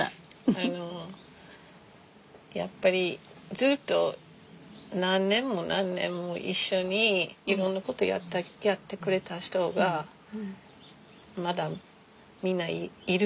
あのやっぱりずっと何年も何年も一緒にいろんなことやってくれた人がまだみんないる。